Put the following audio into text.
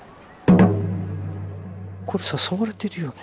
これ誘われてるよね。